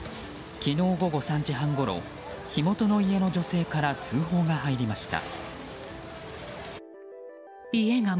昨日午後３時半ごろ火元の家の女性から通報が入りました。